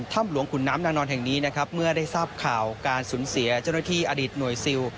ถ้ำหลวงขุนน้ำนางนอนแห่งนี้นะครับเมื่อได้ทราบข่าวการสูญเสียเจ้าหน้าที่อดีตหน่วยซิล